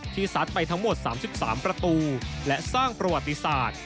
ซัดไปทั้งหมด๓๓ประตูและสร้างประวัติศาสตร์